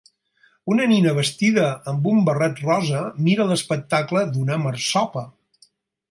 Una nena vestida amb un barret rosa mira l'espectacle d'una marsopa